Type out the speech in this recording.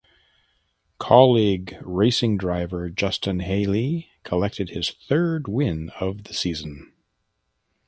Kaulig Racing driver Justin Haley collected his third win of the season.